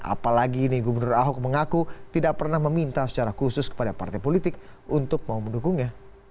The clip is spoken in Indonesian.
apalagi ini gubernur ahok mengaku tidak pernah meminta secara khusus kepada partai politik untuk mau mendukungnya